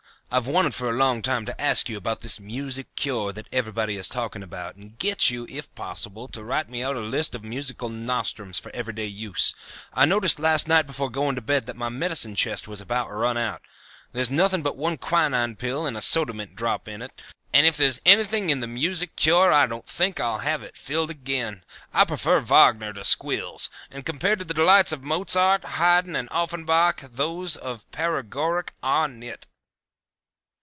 I've wanted for a long time to ask you about this music cure that everybody is talking about and get you if possible to write me out a list of musical nostrums for every day use. I noticed last night before going to bed that my medicine chest was about run out. There's nothing but one quinine pill and a soda mint drop in it, and if there's anything in the music cure I don't think I'll have it filled again. I prefer Wagner to squills, and compared to the delights of Mozart, Hayden and Offenbach those of paregoric are nit."